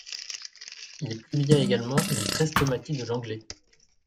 Il publia également une chrestomathie de l’anglais.